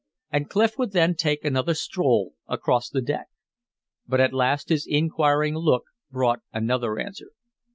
And Clif would then take another stroll across the deck. But at last his inquiring look brought another answer.